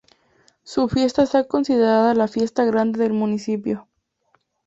Su fiesta está considerada la Fiesta Grande del municipio.